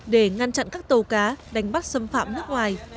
để ngăn chặn các tàu cá đánh bắt xâm phạm nước ngoài